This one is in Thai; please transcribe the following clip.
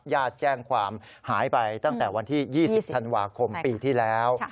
ญาติแจ้งความหายไปตั้งแต่วันที่๒๐ธันวาคมปีที่แล้ว